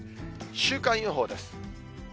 週間予報です。